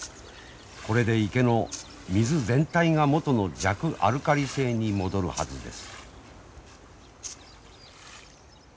これで池の水全体が元の弱アルカリ性に戻るはずです。